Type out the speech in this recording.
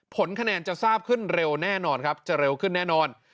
ผลคะแนนจะทราบขึ้นเร็วแน่นอนครับจะเร็วขึ้นแน่นอน